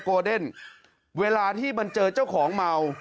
โกเดนเวลาที่มันเจอเจ้าของเมา